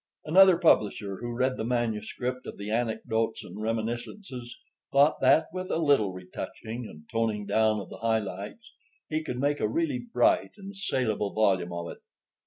Another publisher who read the manuscript of the Anecdotes and Reminiscences thought that, with a little retouching and toning down of the high lights, he could make a really bright and salable volume of it.